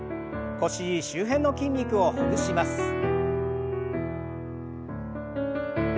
腰周辺の筋肉をほぐします。